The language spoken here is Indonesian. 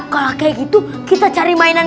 kalau kayak gitu kita cari mainan